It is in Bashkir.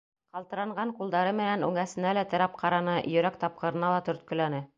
Ҡалтыранған ҡулдары менән үңәсенә лә терәп ҡараны, йөрәк тапҡырына ла төрткөләне.